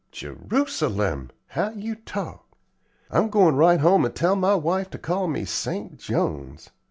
"Jerusalem! how you talk! I'm goin' right home and tell my wife to call me Saint Jones.